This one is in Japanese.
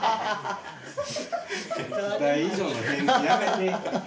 期待以上の返事やめて。